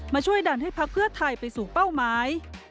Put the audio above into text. ช่วยดันให้พักเพื่อไทยไปสู่เป้าหมาย